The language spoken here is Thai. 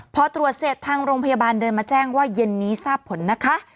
พอตรวจเสร็จทางโรงพยาบาลเดินมาแจ้งว่าเย็นนี้ทราบผลนะคะ